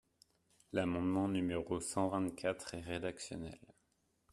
L’amendement numéro cent vingt-quatre est rédactionnel.